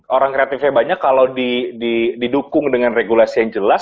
orang kreatifnya banyak kalau didukung dengan regulasi yang jelas